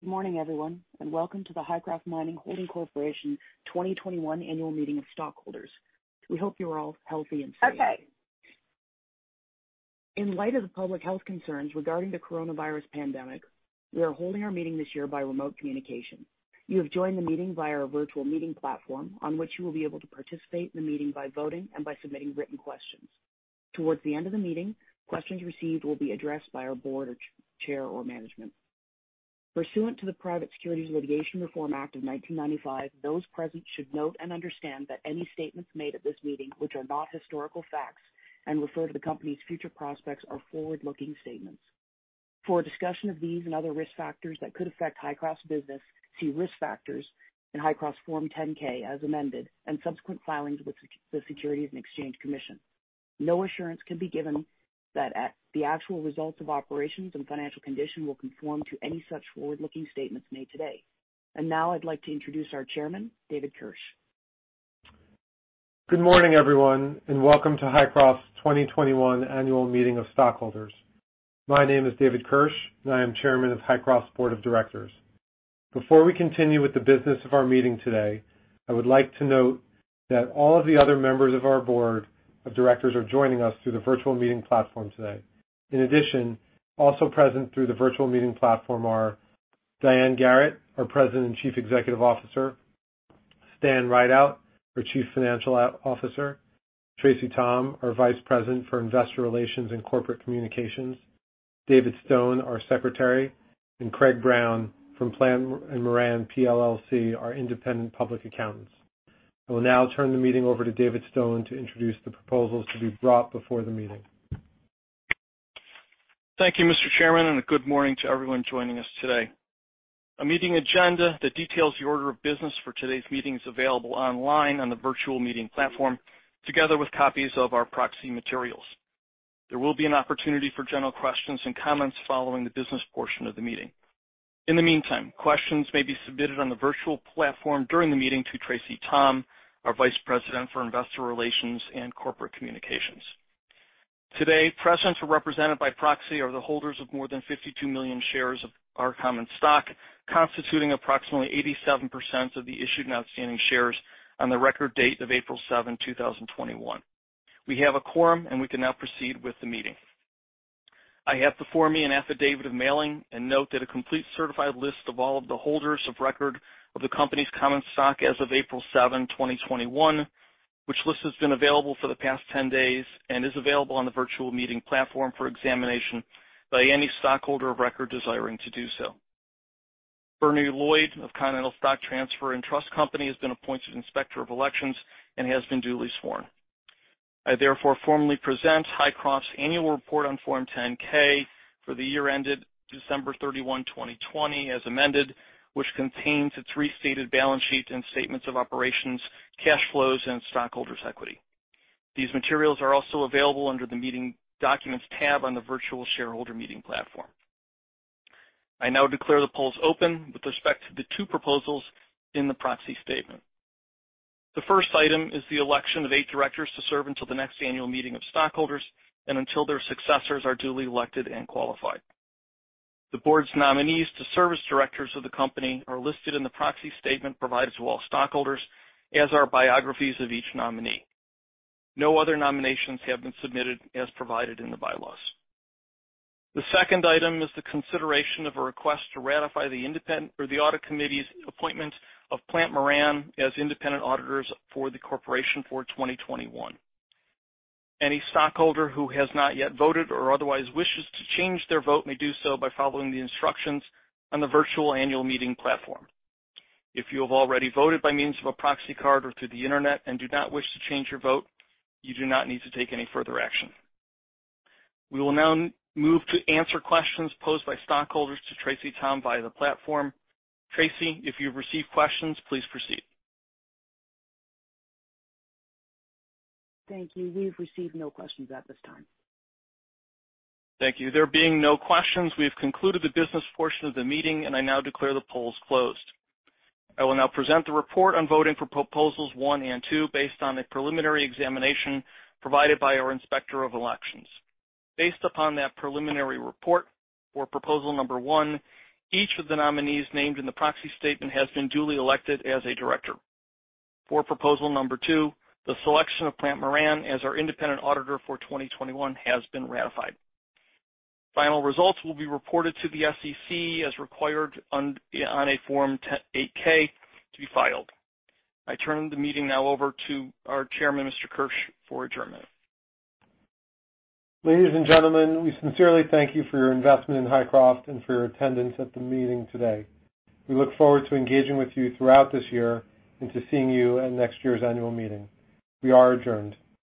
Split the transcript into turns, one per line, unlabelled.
Good morning, everyone, and welcome to the Hycroft Mining Holding Corporation 2021 Annual Meeting of Stockholders. We hope you are all healthy and safe. In light of the public health concerns regarding the coronavirus pandemic, we are holding our meeting this year by remote communication. You have joined the meeting via our virtual meeting platform, on which you will be able to participate in the meeting by voting and by submitting written questions. Towards the end of the meeting, questions received will be addressed by our board chair or management. Pursuant to the Private Securities Litigation Reform Act of 1995, those present should note and understand that any statements made at this meeting, which are not historical facts and refer to the company's future prospects, are forward-looking statements. For a discussion of these and other risk factors that could affect Hycroft's business, see risk factors in Hycroft's Form 10-K as amended, and subsequent filings with the Securities and Exchange Commission. No assurance can be given that the actual results of operations and financial condition will conform to any such forward-looking statements made today. Now I'd like to introduce our Chairman, David Kirsch.
Good morning, everyone, and welcome to Hycroft's 2021 Annual Meeting of Stockholders. My name is David Kirsch, and I am Chairman of Hycroft's Board of Directors. Before we continue with the business of our meeting today, I would like to note that all of the other members of our Board of Directors are joining us through the virtual meeting platform today. In addition, also present through the virtual meeting platform are Diane Garrett, our President and Chief Executive Officer, Stan Rideout, our Chief Financial Officer, Tracey Thom, our Vice President for Investor Relations and Corporate Communications, David Stone, our Secretary, and Kreg Brown from Plante & Moran PLLC, our independent public accountants. I will now turn the meeting over to David Stone to introduce the proposals to be brought before the meeting.
Thank you, Mr. Chairman. Good morning to everyone joining us today. A meeting agenda that details the order of business for today's meeting is available online on the virtual meeting platform, together with copies of our proxy materials. There will be an opportunity for general questions and comments following the business portion of the meeting. In the meantime, questions may be submitted on the virtual platform during the meeting to Tracey Thom, our Vice President for Investor Relations and Corporate Communications. Today, present or represented by proxy are the holders of more than 52 million shares of our common stock, constituting approximately 87% of the issued and outstanding shares on the record date of April 7, 2021. We have a quorum, and we can now proceed with the meeting. I have before me an affidavit of mailing and note that a complete certified list of all of the holders of record of the company's common stock as of April 7, 2021, which list has been available for the past 10 days and is available on the virtual meeting platform for examination by any stockholder of record desiring to do so. Bernie Lloyd of Continental Stock Transfer & Trust Company has been appointed Inspector of Elections and has been duly sworn. I therefore formally present Hycroft's annual report on Form 10-K for the year ended December 31, 2020, as amended, which contains its restated balance sheets and statements of operations, cash flows, and stockholders' equity. These materials are also available under the Meeting Documents tab on the virtual shareholder meeting platform. I now declare the polls open with respect to the two proposals in the proxy statement. The first item is the election of eight directors to serve until the next annual meeting of stockholders and until their successors are duly elected and qualified. The board's nominees to serve as directors of the company are listed in the proxy statement provided to all stockholders, as are biographies of each nominee. No other nominations have been submitted as provided in the bylaws. The second item is the consideration of a request to ratify the independent or the Audit Committee's appointment of Plante & Moran as independent auditors for the corporation for 2021. Any stockholder who has not yet voted or otherwise wishes to change their vote may do so by following the instructions on the virtual annual meeting platform. If you have already voted by means of a proxy card or through the Internet and do not wish to change your vote, you do not need to take any further action. We will now move to answer questions posed by stockholders to Tracey Thom via the platform. Tracey, if you've received questions, please proceed.
Thank you. We've received no questions at this time.
Thank you. There being no questions, we have concluded the business portion of the meeting, and I now declare the polls closed. I will now present the report on voting for proposals one and two based on a preliminary examination provided by our Inspector of Elections. Based upon that preliminary report for proposal number one, each of the nominees named in the proxy statement has been duly elected as a director. For proposal number two, the selection of Plante & Moran as our independent auditor for 2021 has been ratified. Final results will be reported to the SEC as required on a Form 8-K to be filed. I turn the meeting now over to our Chairman, Mr. Kirsch, for adjournment.
Ladies and gentlemen, we sincerely thank you for your investment in Hycroft and for your attendance at the meeting today. We look forward to engaging with you throughout this year and to seeing you at next year's annual meeting. We are adjourned.